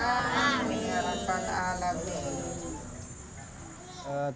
kami dikandungi oleh yang maha kuasa amin